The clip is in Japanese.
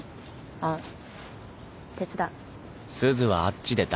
あっ手伝う。